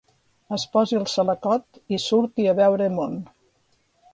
Es posi el salacot i surti a veure món.